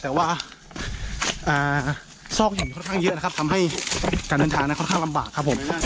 แต่ว่าซอกหินค่อนข้างเยอะนะครับทำให้การเดินทางนั้นค่อนข้างลำบากครับผม